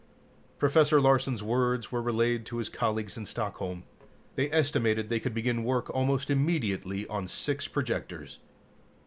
Professor Larsen's words were relayed to his colleagues in Stockholm. They estimated they could begin work almost immediately on six projectors.